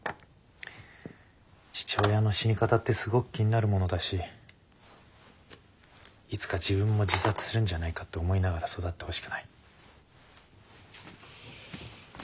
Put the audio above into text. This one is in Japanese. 父親の死に方ってすごく気になるものだしいつか自分も自殺するんじゃないかって思いながら育ってほしくない。